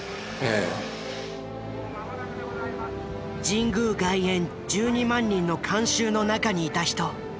神宮外苑１２万人の観衆の中にいた人。